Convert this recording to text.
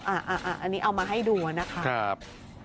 อันนี้เอามาให้ดูนะครับ